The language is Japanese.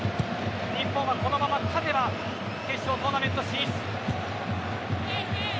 日本はこのまま勝てば決勝トーナメント進出。